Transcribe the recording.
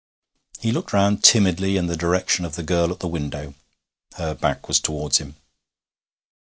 He looked round timidly in the direction of the girl at the window; her back was towards him.